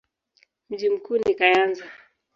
Mji mkuu ni Kayanza.